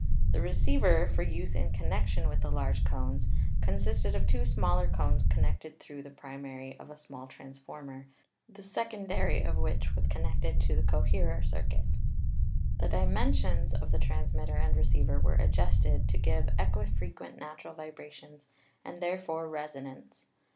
The receiver, for use in connection with the large cones, consisted of two similar cones connected through the primary of a smalftransformer, the secondary of which was connected to the coherer circuit. The di mensions of the transmitter and receiver were adjusted to give equifrequent natural vibrations and therefore res onance.